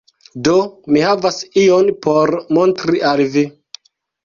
Do, mi havas ion por montri al vi